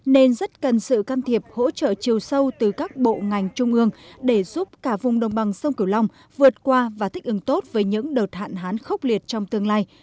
nên rất cần sự can thiệp hỗ trợ chiều sâu từ các bộ ngành trung ương để giúp cả vùng đồng bằng sông cửu long vượt qua và thích ứng tốt với những đợt hạn hán khốc liệt trong tương lai